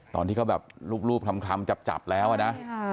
ตอนที่เขาแบบรูปคลำจับแล้วอะนะ